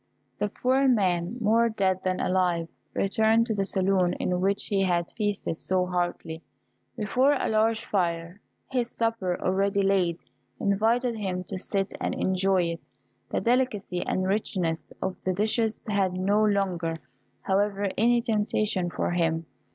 The poor man, more dead than alive, returned to the saloon in which he had feasted so heartily. Before a large fire his supper, already laid, invited him to sit and enjoy it. The delicacy and richness of the dishes had no longer, however, any temptation for him.